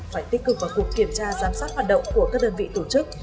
phải tích cực vào cuộc kiểm tra giám sát hoạt động của các đơn vị tổ chức